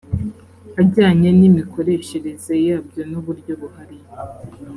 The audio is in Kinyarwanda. ajyanye n imikoreshereze yabyo n uburyo buhari